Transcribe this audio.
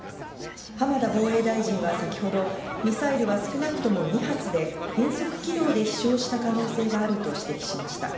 浜田防衛大臣は先ほどミサイルは少なくとも２発で変則軌道で飛翔した可能性があると指摘しました。